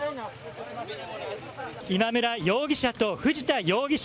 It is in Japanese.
今村容疑者と藤田容疑者